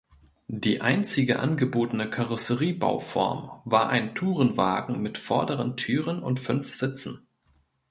Die einzige angebotene Karosseriebauform war ein Tourenwagen mit vorderen Türen und fünf Sitzen.